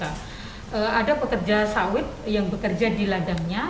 ada pekerja sawit yang bekerja di ladangnya